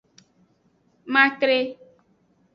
Matre.